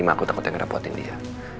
mak aku takut yang ngerapotin dia